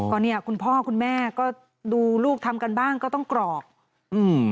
ก็เนี้ยคุณพ่อคุณแม่ก็ดูลูกทำกันบ้างก็ต้องกรอกอืม